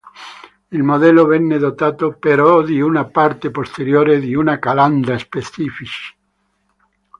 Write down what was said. Il modello venne dotato però di una parte posteriore e di una calandra specifici.